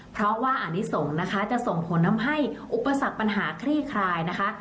เพราะว่าอนิสงฆ์นะคะจะส่งผลทำให้อุปสรรคปัญหาคลี่คลายนะคะ